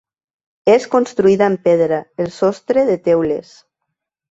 És construïda en pedra, el sostre de teules.